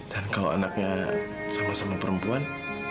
dan kalau anaknya sama sama perempuan